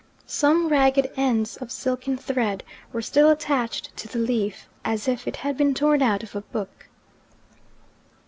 Some ragged ends of silken thread were still attached to the leaf, as if it had been torn out of a book.